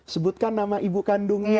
sebutkan nama ibu kandungnya